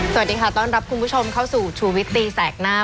สวัสดีค่ะต้อนรับคุณผู้ชมเข้าสู่ชูวิตตีแสกหน้า